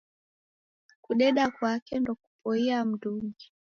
Kudeda kwake ndokupoiaa mundungi.